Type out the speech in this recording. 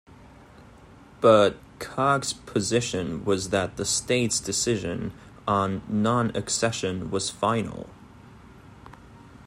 But Kak's position was that the State's decision on non-accession was final.